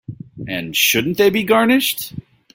And shouldn't they be garnished?